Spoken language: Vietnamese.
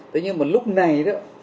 thế nhưng mà lúc này